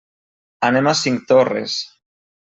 Anem a Cinctorres.